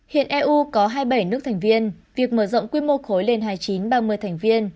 hiện eu có hai mươi bảy nước thành viên việc mở rộng quy mô khối lên hai mươi chín ba mươi thành viên